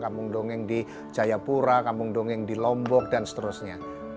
kampung dongeng di jayapura kampung dongeng di lombok dan seterusnya